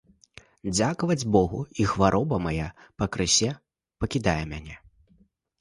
Дзякаваць богу, і хвароба мая пакрысе пакідае мяне.